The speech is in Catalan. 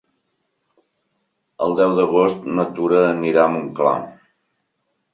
El deu d'agost na Tura anirà a Montclar.